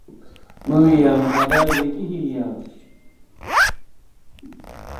無理やん課題できへんやん